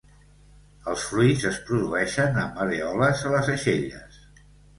Els fruits es produeixen amb arèoles a les aixelles.